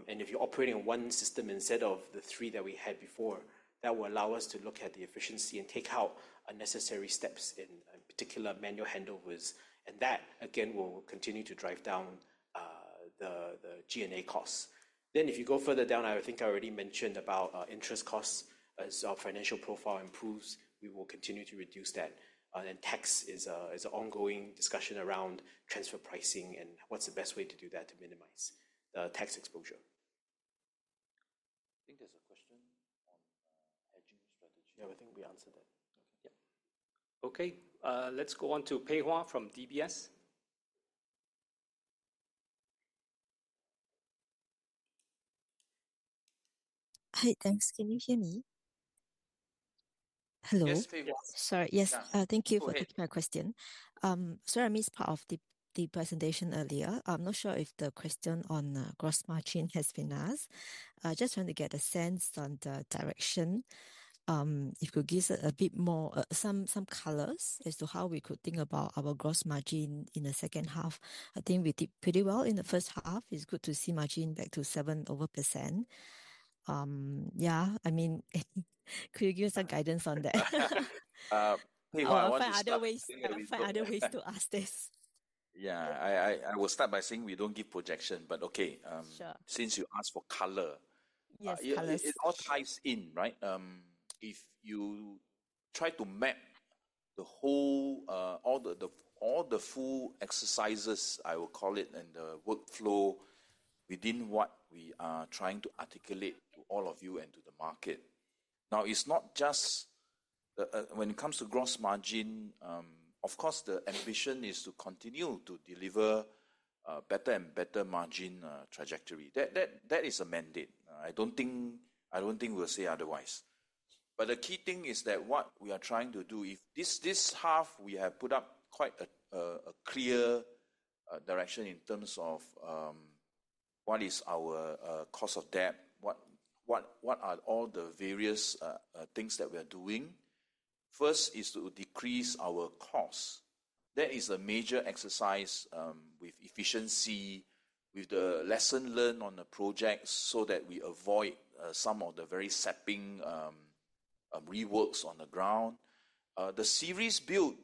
If you're operating on one system instead of the three that we had before, that will allow us to look at the efficiency and take out unnecessary steps, in particular manual handovers. That again will continue to drive down the G&A cost. If you go further down, I think I already mentioned about interest costs. As our financial profile improves, we will continue to reduce that. Tax is an ongoing discussion around transfer pricing and what's the best way to do that to minimize the tax exposure. I think there's a question on hedging strategy. Yeah, I think we answered that. Okay, let's go on to Pei Hwa from DBS. Hi, thanks. Can you hear me? Hello. Yes, thank you for taking my question. Sorry I missed part of the presentation earlier. I'm not sure if the question on gross margin has been asked. I just want to get a sense on the direction if you could give a bit more, some colors as to how we could think about our gross margin in the second half. I think we did pretty well in the first half. It's good to see margin back to 7% over. Yeah. I mean, could you give some guidance on that? Other ways to ask this. Yeah, I will start by saying we don't give projection, but okay, since you asked for color, it all ties in. If you try to map the whole, all the full exercises, I will call it, and the workflow within what we are trying to articulate to all of you and to the market now, it's not just when it comes to gross margin. Of course, the ambition is to continue to deliver better and better margin trajectory. That is a mandate. I don't think we'll say otherwise. The key thing is that what we are trying to do this half, we have put up quite a clear direction in terms of what is our cost of debt, what are all the various things that we are doing. First is to decrease our cost. That is a major exercise with efficiency, with the lesson learned on the project so that we avoid some of the very sapping reworks on the ground. The series build,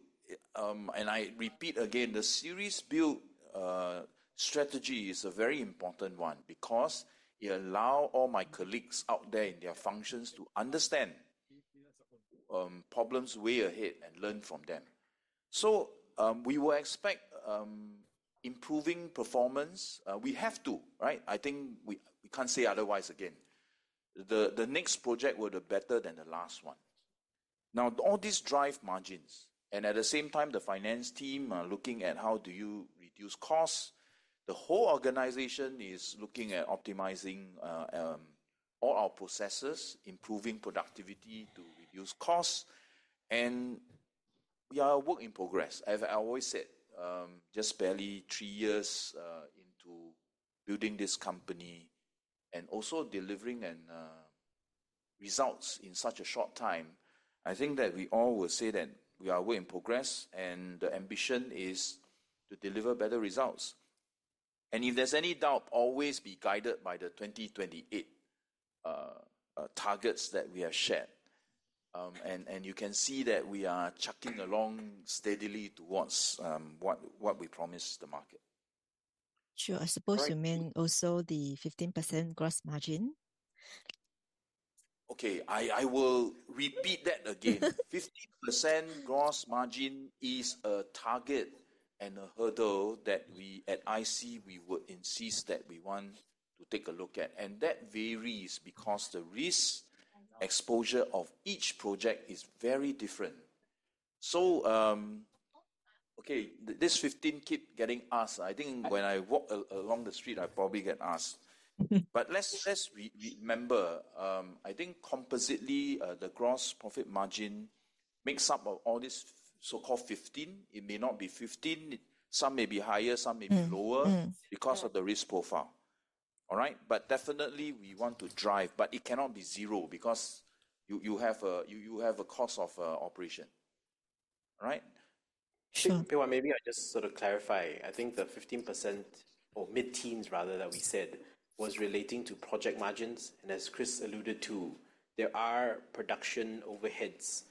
and I repeat again, the series build strategy is a very important one because it allows all my colleagues out there in their functions to understand problems way ahead and learn from them. We will expect improving performance. We have to, right? I think we can't say otherwise again. The next project would be better than the last one. All this drives margins, and at the same time, the finance team is looking at how do you reduce costs. The whole organization is looking at optimizing all our processes, improving productivity to reduce costs, and we are work in progress, as I always said, just barely three years in to building this company and also delivering results in such a short time. I think that we all will say that we are in progress, and the ambition is to deliver better results. If there's any doubt, always be guided by the 2028 targets that we have shared, and you can see that we are chucking along steadily towards what we promised the market. Sure, I suppose you mean also the 15% gross margin? Okay, I will repeat that again. 15% gross margin is a target and a hurdle that we at IC would insist that we want to take a look at. That varies because the risk exposure of each project is very different. This 15 keeps getting asked. I think when I walk along the street I probably get asked. Let's remember, compositely the gross profit margin makes up all this so-called 15%. It may not be 15%. Some may be higher, some may be lower because of the risk profile. All right. Definitely we want to drive, but it cannot be 0% because you have a cost of operation. Pei Hwa, maybe I'll just sort of clarify. I think the 15% or mid teens rather that we said was relating to project margins. As Chris alluded to, there are production overheads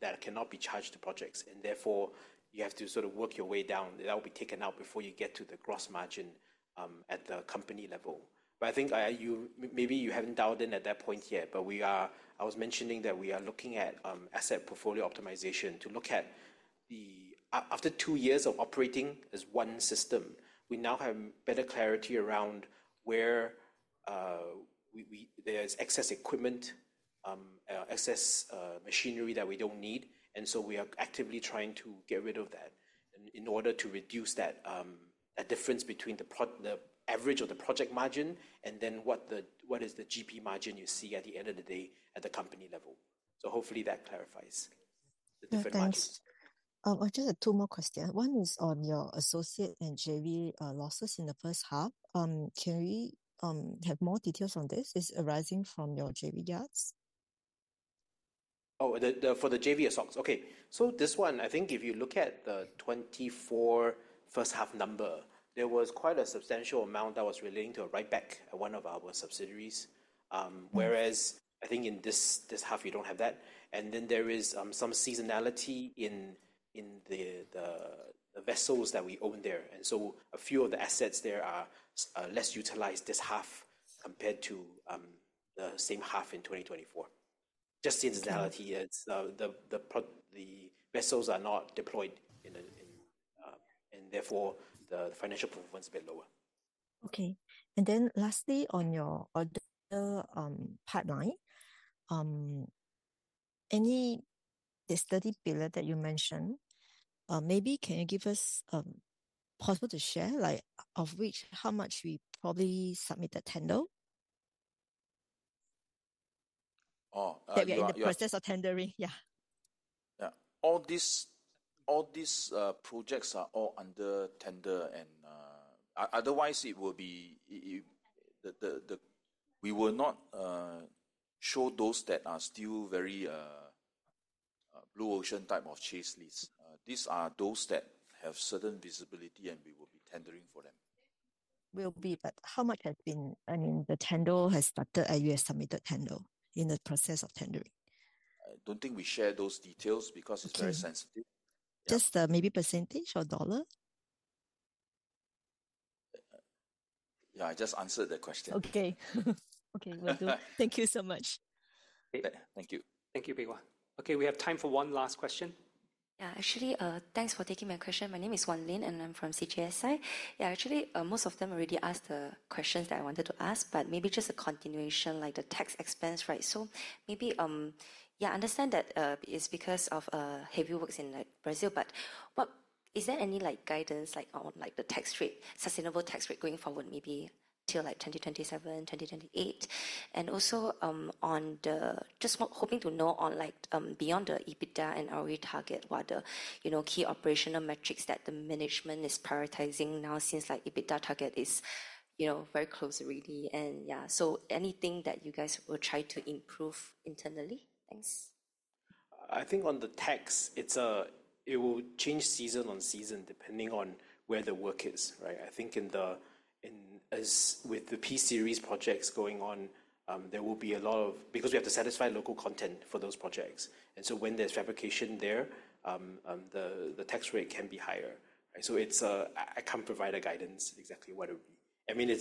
that cannot be charged to projects, and therefore you have to sort of work your way down. That will be taken out before you get to the gross margin at the company level. I think maybe you haven't dialed in at that point yet. We are. I was mentioning that we are looking at asset portfolio optimization to look at the, after two years of operating as one system, we now have better clarity around where there is excess equipment, excess machinery that we don't need. We are actively trying to get rid of that in order to reduce that, a difference between the average of the project margin and then what the, what is the gross margin you see at the end of the day at the company level. Hopefully that clarifies the different margins. I just have two more questions. One is on your associate and JV losses in the first half. Can we have more details on this? Is this arising from your JV yards? Oh, for the JVs stocks. Okay, if you look at the 2024 first half number, there was quite a substantial amount that was relating to a writeback at one of our subsidiaries. Whereas in this half you don't have that. There is some seasonality in the vessels that we own there, and a few of the assets there are less utilized this half compared to the same half in 2024. Just seasonality. The vessels are not deployed and therefore the financial performance is a bit lower. Okay. And then lastly, on your order pipeline, any visibility pillar that you mentioned, maybe can you give us possible to share, like of which, how much we probably submitted tender in the process of tendering? All these projects are all under tender, otherwise it will be. We will not show those that are still very blue ocean type of chase list. These are those that have certain visibility, and we will be tendering for them. How much has been, I mean, the tender has started, is submitted, handle in the process of tendering. I don't think we share those details because it's very sensitive. Just maybe percentage or dollar. Yeah, I just answered the question. Okay. Okay. Thank you so much. Thank you. Thank you. Okay, we have time for one last question. Yeah, actually thanks for taking my question. My name is Yaun Lin and I'm from CSI. Actually, most of them already asked questions that I wanted to ask, but maybe just a continuation, like the tax expense, right? I understand that it's because of heavy works in Brazil, but is there any guidance on the sustainable tax rate going forward, maybe till 2027, 2028? Also, just hoping to know beyond the EBITDA and our target, what the key operational metrics that the main management is prioritizing now, since the EBITDA target is very close, really. Is there anything that you guys will try to improve internally? Thanks. I think on the tax, it will change season on season depending on where the work is. Right. I think as with the P-Series projects going on, there will be a lot of, because we have to satisfy local content for those projects, and when there's fabrication there, the tax rate can be higher. I can't provide a guidance exactly what it would be. I mean,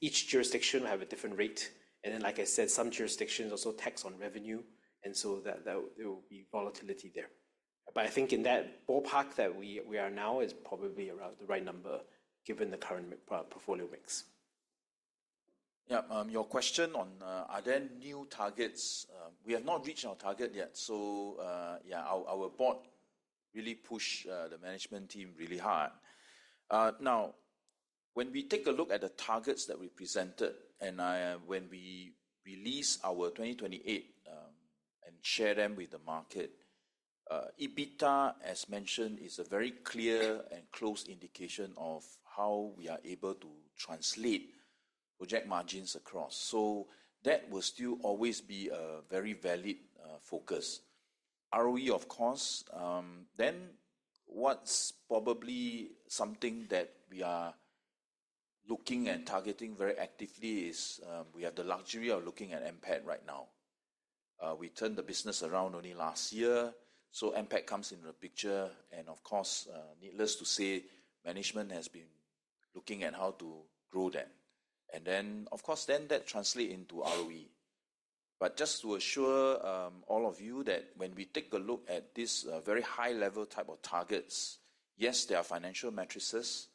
each jurisdiction has a different rate, and like I said, some jurisdictions also tax on revenue, and there will be volatility there. I think in that ballpark that we are now is probably around the right number given the current portfolio mix. Yeah. Your question on are there new targets? We have not reached our target yet. Yeah, our board really pushes the management team really hard now when we take a look at the targets that we presented and when we release our 2028 and share them with the market. EBITDA, as mentioned, is a very clear and close indication of how we are able to translate project margins across. That will still always be a very valid focus. ROE, of course, then what's probably something that we are looking and targeting very actively is we have the luxury of looking at NPAT right now. We turned the business around only last year, so NPAT comes into the picture and, of course, needless to say, management has been looking at how to grow that. That translates into ROE. Just to assure all of you that when we take a look at this very high-level type of targets, yes, there are financial matrices,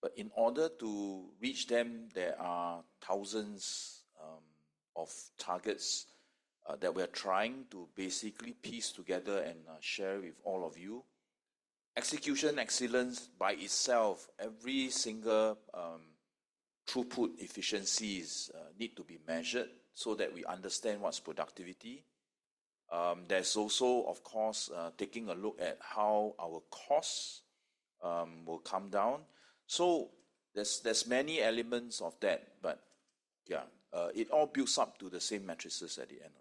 but in order to reach them, there are thousands of targets that we are trying to basically piece together and share with all of you. Execution excellence by itself, every single throughput, efficiencies need to be measured so that we understand what's productivity. There's also, of course, taking a look at how our costs will come down. There are many elements of that, but it all builds up to the same matrices at the end of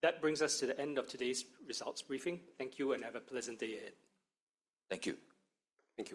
the day. Okay, that brings us to the end of today's results briefing. Thank you and have a pleasant day ahead. Thank you. Thank you.